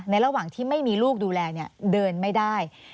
ระหว่างที่ไม่มีลูกดูแลเดินไม่ได้